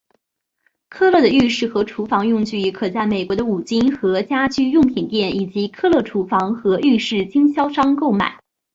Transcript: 科勒的浴室和厨房用具可在美国的五金和家居用品店以及科勒厨房和浴室经销商购买。